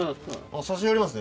写真ありますね